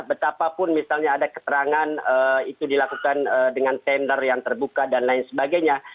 betapapun misalnya ada keterangan itu dilakukan dengan tender yang terbuka dan lain sebagainya